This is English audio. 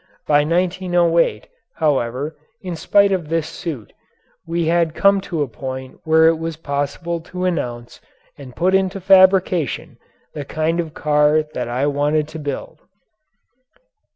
By 1908, however, in spite of this suit, we had come to a point where it was possible to announce and put into fabrication the kind of car that I wanted to build.